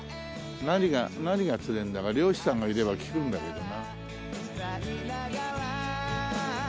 何が釣れるんだか漁師さんがいれば聞くんだけどな。